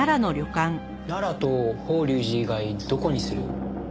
奈良と法隆寺以外どこにする？